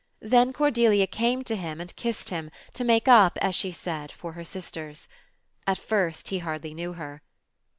Then Cordelia came to him and kissed him, to make up, as she said, foi her sisters. At first he hardly knew her.